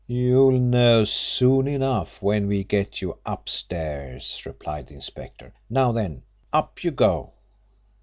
"You'll know soon enough when we get you upstairs," replied the inspector. "Now then, up you go."